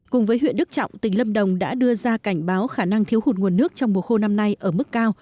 cùng với huyện đức trọng tỉnh lâm đồng đã đưa ra cảnh báo khả năng thiếu hụt nguồn nước trong mùa khô năm nay ở mức cao